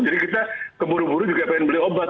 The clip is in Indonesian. jadi kita keburu buru juga pengen beli obat